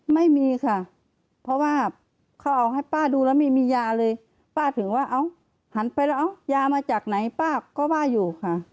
ไม่มีค่ะเพราะว่าเขาเอาให้ป้าดูแล้วไม่มียาเลยป้าถึงว่าเอ้าหันไปแล้วเอายามาจากไหนป้าก็ว่าอยู่ค่ะ